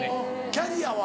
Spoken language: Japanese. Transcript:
キャリアは？